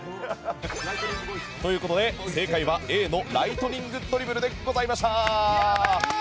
ということで、正解はＡのライトニングドリブルでした。